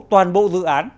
toàn bộ dự án